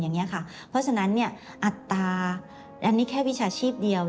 เพราะฉะนั้นอัตราอันนี้แค่วิชาชีพเดียว